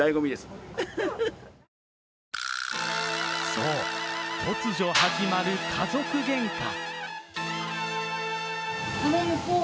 そう、突如始まる家族げんか。